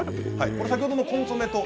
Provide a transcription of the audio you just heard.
先ほどのコンソメと。